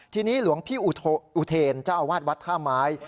ทีนี้หลวงพี่อุเทรนเจ้าวาดวัดธาหมาย